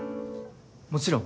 もちろん。